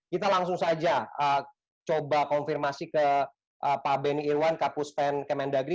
kita langsung saja coba konfirmasi ke pak beni irwan kapus pen kemendagri